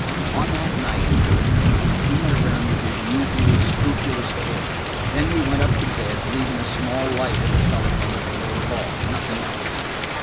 On that night, I remember, he went around with his usual scrupulous care. Then we went up to bed, leaving a small light at the telephone in the lower hall: nothing else.